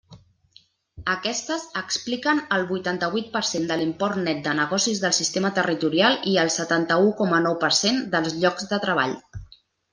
Aquestes expliquen el vuitanta-vuit per cent de l'import net de negocis del sistema territorial i el setanta-u coma nou per cent dels llocs de treball.